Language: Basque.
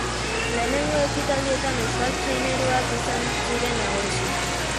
Lehenengo ekitaldietan euskal traineruak izan ziren nagusi.